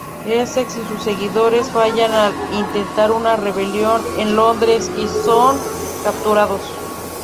Essex y sus seguidores fallan al intentar una rebelión en Londres y son capturados.